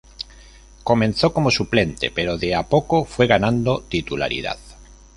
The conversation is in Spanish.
Comenzó como suplente pero de a poco fue ganando titularidad.